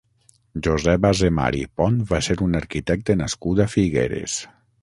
Josep Azemar i Pont va ser un arquitecte nascut a Figueres.